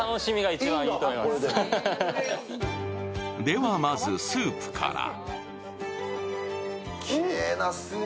ではまずスープから。